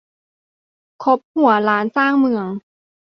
คบหัวล้านสร้างเมือง